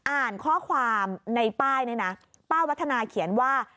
อ่านข้อความในป้ายนี่นะป้าวัฒนาเขียนว่า